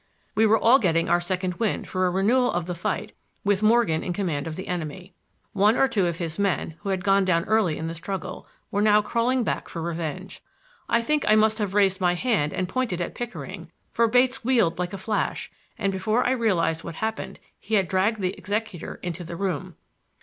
We were all getting our second wind for a renewal of the fight, with Morgan in command of the enemy. One or two of his men, who had gone down early in the struggle, were now crawling back for revenge. I think I must have raised my hand and pointed at Pickering, for Bates wheeled like a flash and before I realized what happened he had dragged the executor into the room.